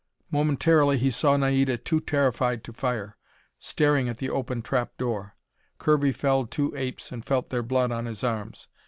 Momentarily he saw Naida, too terrified to fire, staring at the open trapdoor. Kirby felled two apes and felt their blood on his arms.